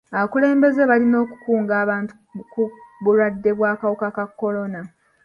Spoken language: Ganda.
Abakulembeze balina okukunga abantu ku bulwadde bw'akawuka ka kolona.